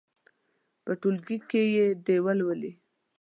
په ټولګي کې دې یې ولولي.